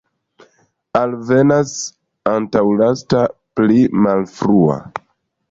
Alvenas antaulasta, pli malfrua.